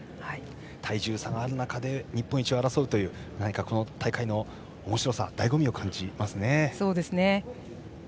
体重差がある中で日本一を争うという、この大会の面白さ、だいご味を感じますね。